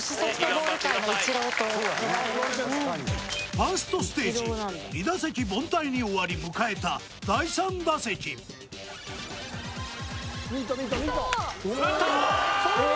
ファーストステージ２打席凡退に終わり迎えた第３打席打った！